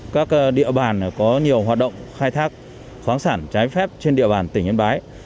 các địa bàn có nhiều hoạt động khai thác khoáng sản trái phép trên địa bàn tỉnh yên bái